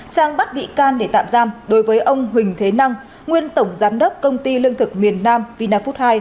sang bắt bị can để tạm giam đối với ông huỳnh thế năng nguyên tổng giám đốc công ty lương thực miền nam vina food hai